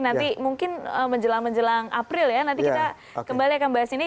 nanti mungkin menjelang menjelang april ya nanti kita kembali akan bahas ini